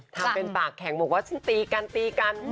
ทำเป็นปากแข็งบอกว่าฉันตีกันตีกัน